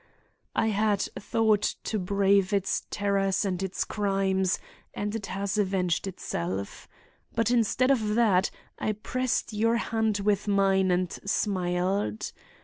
I had thought to brave its terrors and its crimes and it has avenged itself. But instead of that, I pressed your hand with mine and smiled.